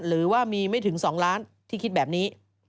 หรือว่ามีไม่ถึง๒ล้านที่คิดแบบนี้